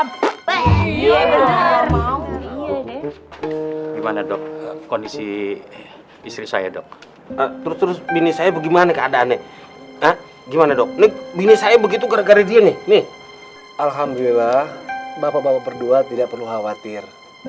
bapak bapak berdua tidak perlu khawatir